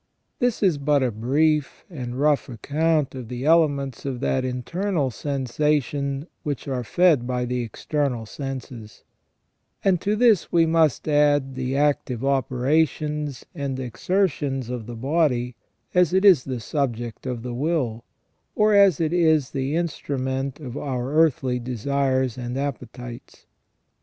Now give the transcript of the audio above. This is but a brief and rough account of the elements of that internal sensation which are fed by the external senses ; and to this we must add the active operations and exertions of the body, as it is the subject of the will, or as it is the instrument of our earthly desires and appetites.